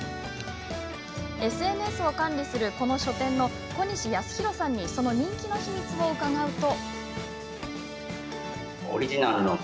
ＳＮＳを管理するこの書店の小西康裕さんにその人気の秘密を伺うと。